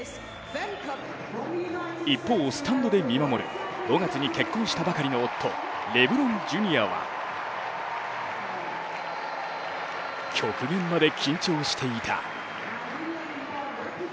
一方、スタンドで見守る５月に結婚したばかりの夫、レブロン・ジュニアは極限まで緊張していた。